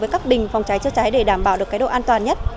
với các bình phòng cháy chữa cháy để đảm bảo được cái độ an toàn nhất